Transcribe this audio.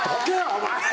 お前！